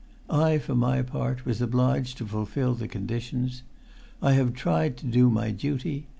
I, for my part, was obliged to fulfil the conditions. I have tried to do my duty.